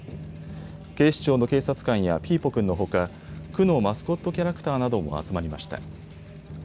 警視庁の警察官やピーポくんのほか区のマスコットキャラクターなども集まりました。